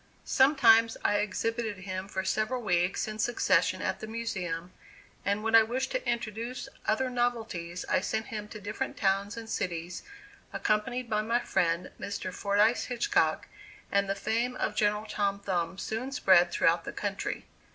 Sometimes I exhibited him for several weeks in succession at the Museum, and when I wished to introduce other novelties I sent him to different towns and cities, accompanied by my friend, Mr. Fordyce Hitchcock, and the fame of General Tom Thumb soon spread throughout the country.